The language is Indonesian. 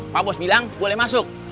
pak bos bilang boleh masuk